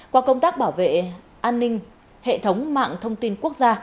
qua công tác bảo vệ an ninh hệ thống mạng thông tin quốc gia